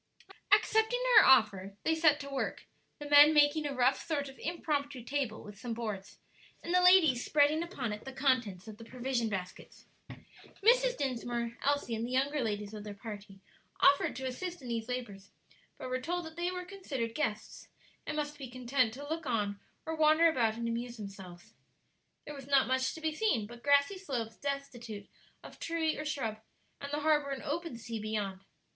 Accepting her offer, they set to work, the men making a rough sort of impromptu table with some boards, and the ladies spreading upon it the contents of the provision baskets. Mrs. Dinsmore, Elsie and the younger ladies of their party, offered to assist in these labors, but were told that they were considered guests, and must be content to look on or wander about and amuse themselves. There was not much to be seen but grassy slopes destitute of tree or shrub, and the harbor and open sea beyond.